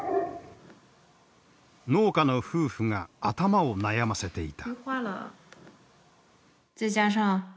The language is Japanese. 農家の夫婦が頭を悩ませていた。